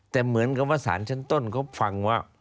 แต่เหมือนกับว่าสารชั้นต้นเขาฟังว่า